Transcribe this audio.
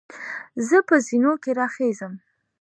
زۀ په زینو کې راخېږم.